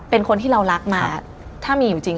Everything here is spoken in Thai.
เป็นคนที่เรารักมาถ้ามีอยู่จริง